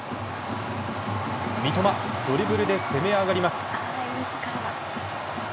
三笘ドリブルで攻め上がります。